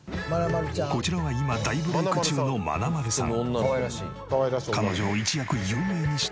こちらは今大ブレイク中のまなまるさん。